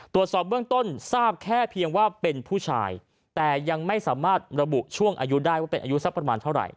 ตรวจสอบเบื้องต้นทราบแค่เพียงว่าเป็นผู้ชายแต่ยังไม่สามารถระบุช่วงอายุได้ว่าเป็นอายุสักประมาณเท่าไหร่